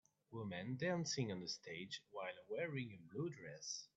Women dancing on a stage while wearing a blue dress.